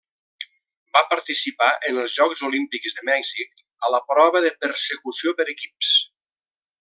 Va participar en els Jocs Olímpics de Mèxic a la prova de Persecució per equips.